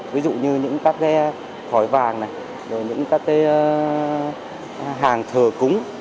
ví dụ như những các cái khói vàng này rồi những các cái hàng thờ cúng